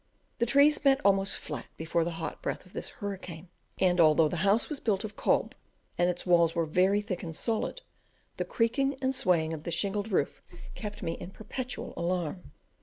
The trees bent almost flat before the hot breath of this hurricane, and although the house was built of cob, and its walls were very thick and solid, the creaking and swaying of the shingled roof kept me in perpetual alarm.